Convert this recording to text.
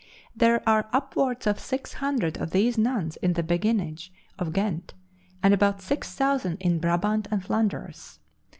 There are upwards of six hundred of these nuns in the Beguinage of Ghent, and about six thousand in Brabant and Flanders.